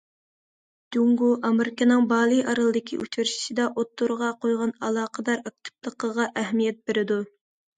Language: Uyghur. جۇڭگو ئامېرىكىنىڭ بالى ئارىلىدىكى ئۇچرىشىشىدا ئوتتۇرىغا قويغان ئالاقىدار ئاكتىپلىقىغا ئەھمىيەت بېرىدۇ.